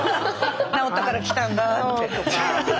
「治ったから来たんだ」って。